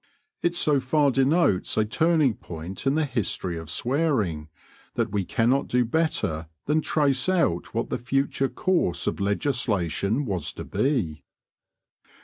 It so far denotes a turning point in the history of swearing, that we cannot do better than trace out what the future course of legislation was to be.